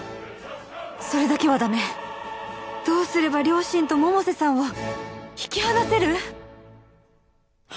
それだけはダメどうすれば両親と百瀬さんを引き離せる！？